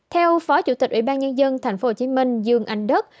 theo phó chủ tịch ủy ban nhân dân tp hcm dương anh đức